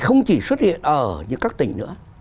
không chỉ xuất hiện ở những các tỉnh nữa